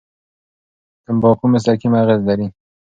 تمباکو مستقیم اغېز لري.